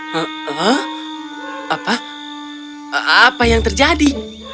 hah apa apa yang terjadi